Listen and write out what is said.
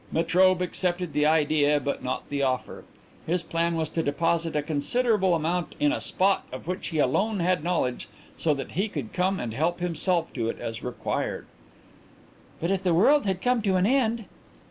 Metrobe accepted the idea but not the offer. His plan was to deposit a considerable amount in a spot of which he alone had knowledge, so that he could come and help himself to it as required." "But if the world had come to an end